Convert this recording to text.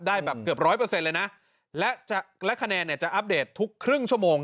ได้แบบเกือบ๑๐๐เลยนะและคะแนนจะอัปเดตทุกครึ่งชั่วโมง